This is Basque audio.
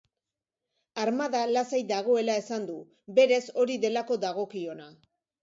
Armada lasai dagoela esan du, berez hori delako dagokiona.